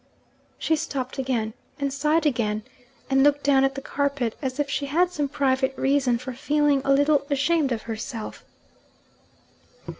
She stopped again, and sighed again, and looked down at the carpet, as if she had some private reason for feeling a little ashamed of herself.